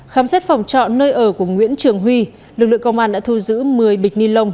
khám xét phòng trọ nơi ở của nguyễn trường huy lực lượng công an đã thu giữ một mươi bịch ni lông